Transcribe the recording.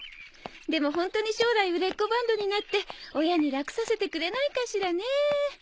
でもホントに将来売れっ子バンドになって親にラクさせてくれないかしらねえ。